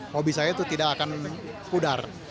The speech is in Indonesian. hobi saya itu tidak akan pudar